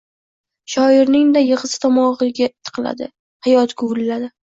Shoirning-da yig‘isi tomog‘ingga tiqiladi: “Hayot guvilladi